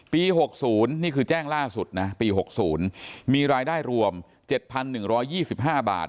๖๐นี่คือแจ้งล่าสุดนะปี๖๐มีรายได้รวม๗๑๒๕บาท